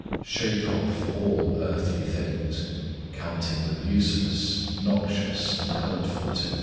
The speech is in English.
Shake off all earthly things, counting them useless, noxious, and hurtful to thee.